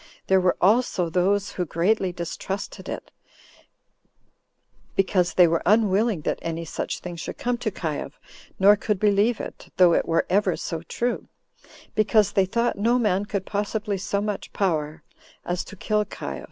There were also those who greatly distrusted it, because they were unwilling that any such thing should come to Caius, nor could believe it, though it were ever so true, because they thought no man could possibly so much power as to kill Caius.